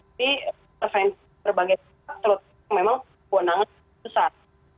tapi terbanyak pihak pihak memang kewenangan yang besar